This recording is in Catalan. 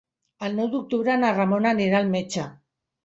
El nou d'octubre na Ramona anirà al metge.